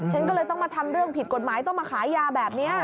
ฉันก็เลยต้องมาทำเรื่องผิดกฎหมายต้องมาขายยาแบบนี้